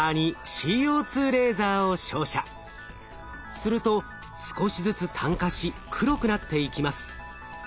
すると少しずつ炭化し黒くなっていきます。